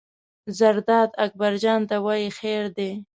زرداد اکبر جان ته وایي: خیر دی.